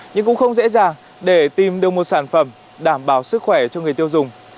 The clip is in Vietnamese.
nhưng cũng không dễ dàng để tìm được một sản phẩm đảm bảo sức khỏe cho người tiêu dùng